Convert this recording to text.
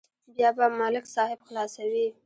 بیا به ملک صاحب خلاصوي.